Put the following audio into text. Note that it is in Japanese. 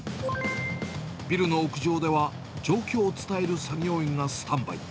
ビルの屋上では、状況を伝える作業員がスタンバイ。